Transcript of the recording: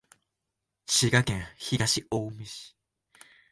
滋賀県東近江市